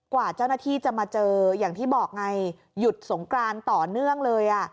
กว่าเจ้าหน้าที่จะมาเจออย่างที่บอกไงหยุดสงกรานต่อเนื่องเลย